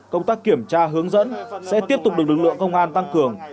công tác kiểm tra hướng dẫn sẽ tiếp tục được lực lượng công an tăng cường